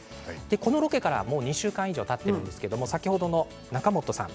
このロケからもう２週間以上たっているんですが先ほどの中本さん